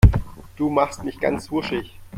Du machst mich ganz wuschig.